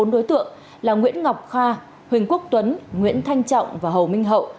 bốn đối tượng là nguyễn ngọc kha huỳnh quốc tuấn nguyễn thanh trọng và hồ minh hậu